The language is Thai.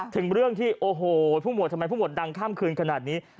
ถึงเรื่องที่โอ้โหพุ่งหมวดดังทำไมข้ามคืนขนาดนี้